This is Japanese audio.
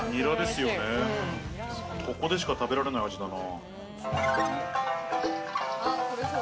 ここでしか食べられない味だな。